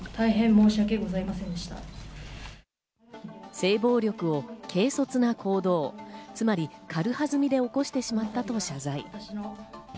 性暴力を軽率な行動、つまり軽はずみで起こしてしまったと謝罪。